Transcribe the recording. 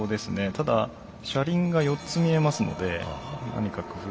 ただ車輪が４つ見えますので何か工夫が。